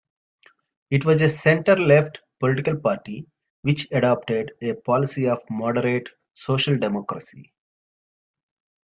It was a center-left political party, which adopted a policy of moderate social-democracy.